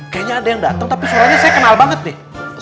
kayaknya ada yang datang tapi suaranya saya kenal banget nih